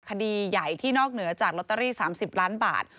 คดีใหญ่ที่นอกเหนือจากลอตเตอรี่๓๐ล้านบาท